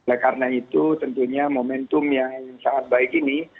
oleh karena itu tentunya momentum yang sangat baik ini